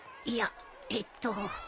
いやえっと。